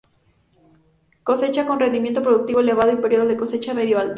Cosecha con rendimiento productivo elevado, y periodo de cosecha medio-alto.